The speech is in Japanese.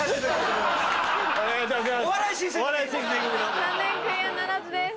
残念クリアならずです。